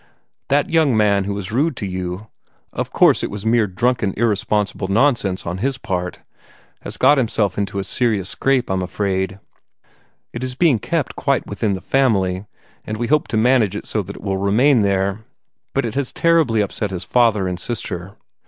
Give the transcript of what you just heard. That young man who was rude to you of course it was mere drunken, irresponsible nonsense on his part has got himself into a serious scrape, I'm afraid. It is being kept quite within the family, and we hope to manage so that it will remain there, but it has terribly upset his father and his sister.